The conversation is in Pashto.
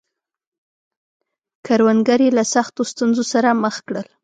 کروندګر یې له سختو ستونزو سره مخ کړل.